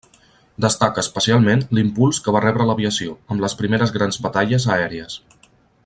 Destaca especialment l'impuls que va rebre l'aviació, amb les primeres grans batalles aèries.